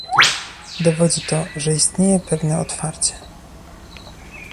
Dowodzi to, że istnieje pewne otwarcie